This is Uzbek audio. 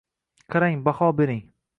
Qarang, baho bering